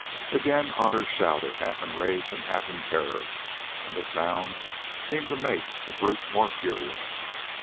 Again Otter shouted, half in rage and half in terror, and the sound seemed to make the brute more furious.